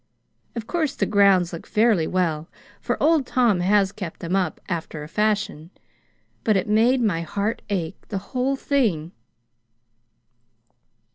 Of course the grounds looked fairly well, for Old Tom has kept them up, after a fashion. But it made my heart ache the whole thing."